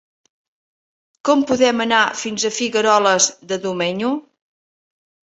Com podem anar fins a Figueroles de Domenyo?